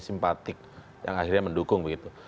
simpatik yang akhirnya mendukung begitu